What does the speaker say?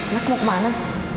mas mau kemana